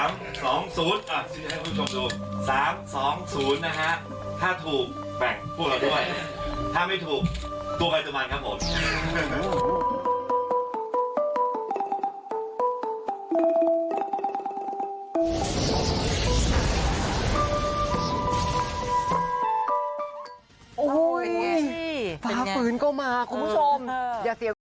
แม่งพูดหน่อยถ้าไม่ถูกตัวใครจะมันครับผม